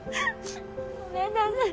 ごめんなさい。